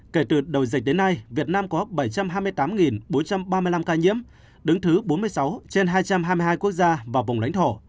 kể từ đầu dịch đến nay việt nam có bảy trăm hai mươi tám bốn trăm ba mươi năm ca nhiễm đứng thứ bốn mươi sáu trên hai trăm hai mươi hai quốc gia và vùng lãnh thổ